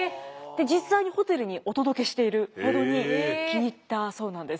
実際にホテルにお届けしているほどに気に入ったそうなんです。